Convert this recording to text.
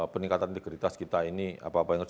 peningkatan integritas kita ini apa apa yang harus